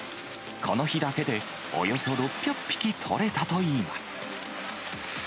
この日だけでおよそ６００匹取れたといいます。